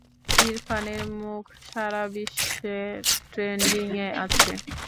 ইরফানের মুখ সারা বিশ্বে ট্রেন্ডিংয়ে আছে।